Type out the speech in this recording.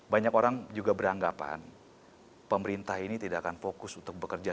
banyak orang juga beranggapan pemerintah ini tidak akan fokus untuk bekerja